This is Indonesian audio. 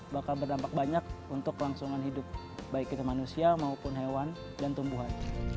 bakal berdampak banyak untuk langsungan hidup baik itu manusia maupun hewan dan tumbuhan